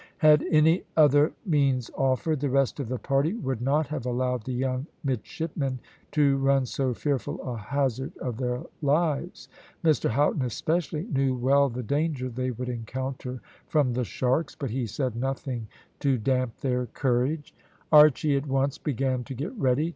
Had any other means offered, the rest of the party would not have allowed the young midshipmen to run so fearful a hazard of their lives. Mr Houghton, especially, knew well the danger they would encounter from the sharks, but he said nothing to damp their courage. Archy at once began to get ready.